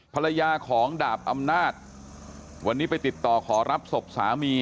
ภรรยาของดาบอำนาจวันนี้ไปติดต่อขอรับศพสามี